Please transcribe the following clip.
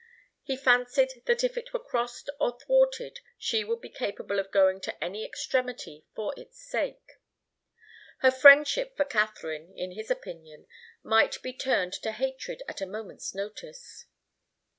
He fancied that if it were crossed or thwarted she would be capable of going to any extremity for its sake. Her friendship for Katharine, in his opinion, might be turned to hatred at a moment's notice.